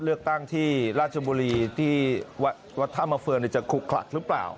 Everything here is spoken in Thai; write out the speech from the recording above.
เลือกตั้งที่ราชบุรีที่วัดท่ามาเฟืองจะคลุกคลักหรือเปล่า